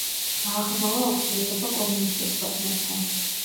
გააღრმავა ურთიერთობა კომუნისტურ ქვეყნებთან.